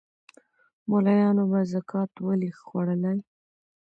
مُلایانو به زکات ولي خوړلای